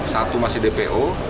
satu masih dpo